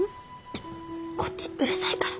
ちょこっちうるさいから！